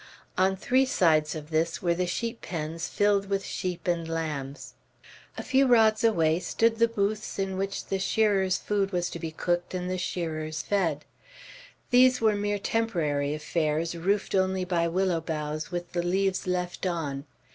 On three sides of this were the sheep pens filled with sheep and lambs. A few rods away stood the booths in which the shearers' food was to be cooked and the shearers fed. These were mere temporary affairs, roofed only by willow boughs with the leaves left on.